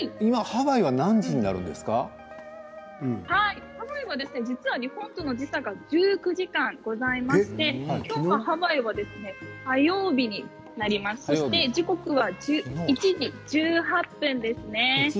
ハワイは実は日本との時差が１９時間ございまして今日はハワイは火曜日になりまして時刻は１時１８分ですね。